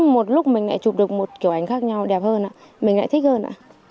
mỗi lúc mình lại chụp được một kiểu ảnh khác nhau đẹp hơn mình lại thích hơn